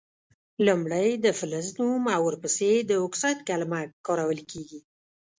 لومړۍ د فلز نوم او ور پسي د اکسایډ کلمه کارول کیږي.